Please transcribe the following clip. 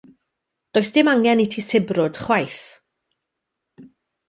Does dim angen i ti sibrwd chwaith.